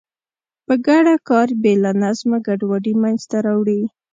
په ګډه کار بې له نظمه ګډوډي منځته راوړي.